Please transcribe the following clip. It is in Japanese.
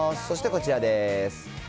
そしてこちらです。